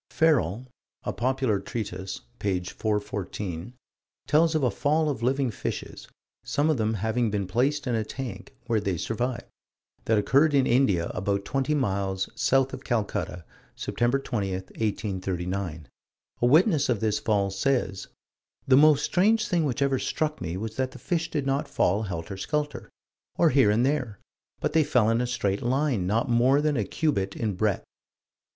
Ferrel (A Popular Treatise, p. 414) tells of a fall of living fishes some of them having been placed in a tank, where they survived that occurred in India, about 20 miles south of Calcutta, Sept. 20, 1839. A witness of this fall says: "The most strange thing which ever struck me was that the fish did not fall helter skelter, or here and there, but they fell in a straight line, not more than a cubit in breadth."